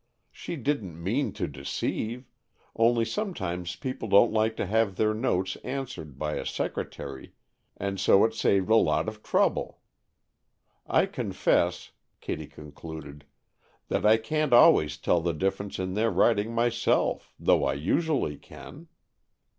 She didn't mean to deceive, only sometimes people don't like to have their notes answered by a secretary, and so it saved a lot of trouble. I confess," Kitty concluded, "that I can't always tell the difference in their writing myself, though I usually can."